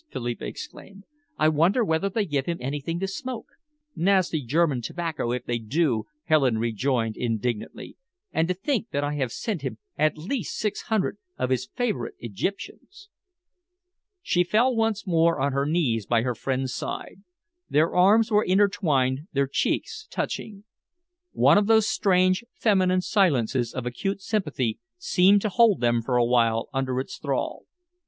Philippa exclaimed. "I wonder whether they give him anything to smoke." "Nasty German tobacco, if they do," Helen rejoined indignantly. "And to think that I have sent him at least six hundred of his favourite Egyptians!" She fell once more on her knees by her friend's side. Their arms were intertwined, their cheeks touching. One of those strange, feminine silences of acute sympathy seemed to hold them for a while under its thrall.